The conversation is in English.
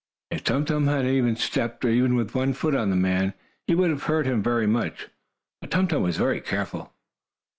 If Tum Tum had stepped, even with one foot, on the man, he would have hurt him very much. But Tum Tum was careful.